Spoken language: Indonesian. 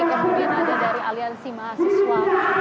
kemudian ada dari aliansi mahasiswa